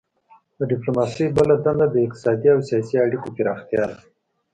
د ډیپلوماسي بله دنده د اقتصادي او سیاسي اړیکو پراختیا ده